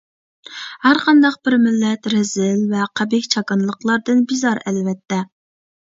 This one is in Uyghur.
ھەرقانداق بىر مىللەت رەزىل ۋە قەبىھ چاكىنىلىقلاردىن بىزار ئەلۋەتتە.